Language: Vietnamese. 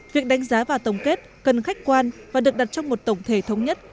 việc đánh giá và tổng kết cần khách quan và được đặt trong một tổng thể thống nhất